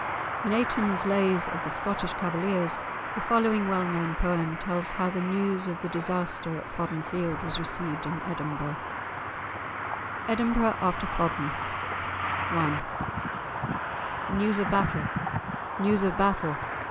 In Aytoun's "Lays of the Scottish Cavaliers," the following well known poem tells how the news of the disaster at Flodden Field was received in Edinburgh:— *EDINBURGH AFTER FLODDEN* I News of battle! news of battle!